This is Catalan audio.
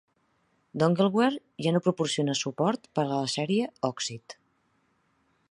Dongleware ja no proporciona suport per a la sèrie "Oxyd".